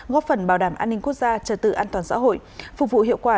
góp phần bảo đảm an ninh quốc gia trật tự an toàn xã hội phục vụ hiệu quả